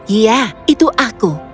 iya itu aku